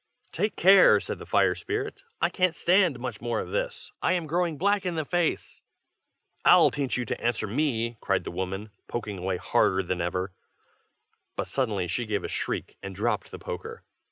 "Take care!" said the fire spirit. "I can't stand much more of this. I am growing black in the face." "I'll teach you to answer me!" cried the woman, poking away harder than ever. But suddenly she gave a shriek, and dropped the poker.